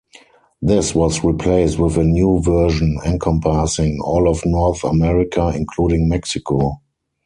This was replaced with a new version encompassing all of North America, including Mexico.